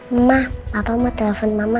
mama papa mau telepon mama